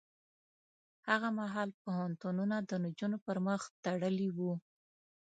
هغه مهال پوهنتونونه د نجونو پر مخ تړلي وو.